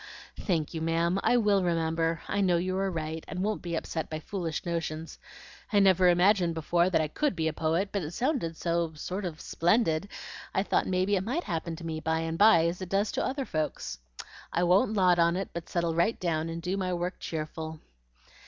"Thank you, ma'am! I WILL remember; I know you are right, and I won't be upset by foolish notions. I never imagined before that I COULD be a poet; but it sounded so sort of splendid, I thought maybe it MIGHT happen to me, by and by, as it does to other folks. I won't lot on it, but settle right down and do my work cheerful."